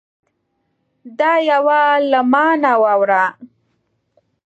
دا یوه له ما نه واوره